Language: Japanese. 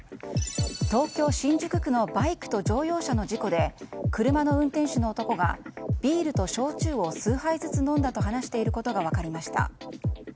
東京・新宿区のバイクと乗用車の事故で車の運転手の男がビールと焼酎を数杯ずつ飲んだと話していることが分かりました。